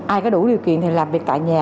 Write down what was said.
ai có đủ điều kiện thì làm việc tại nhà